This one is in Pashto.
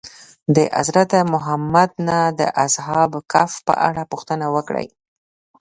د حضرت محمد نه د اصحاب کهف په اړه پوښتنه وکړئ.